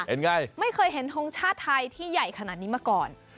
เห็นไงไม่เคยเห็นทรงชาติไทยที่ใหญ่ขนาดนี้มาก่อน